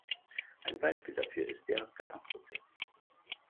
Ein Beispiel dafür ist der "Gamma-Prozess".